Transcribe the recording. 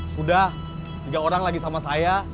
sudah tiga orang lagi sama saya